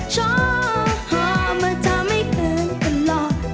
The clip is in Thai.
ชอบมาทำให้เธอก็หล่อ